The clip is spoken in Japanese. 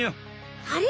あれ？